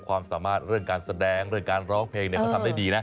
ความสามารถเรื่องการแสดงเรื่องการร้องเพลงเขาทำได้ดีนะ